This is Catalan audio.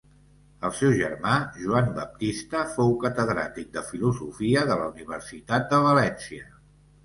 El seu germà Joan Baptista fou catedràtic de filosofia de la Universitat de València.